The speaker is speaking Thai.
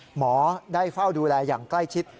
หมอได้เฝ้าดูแลอย่างใกล้ชิด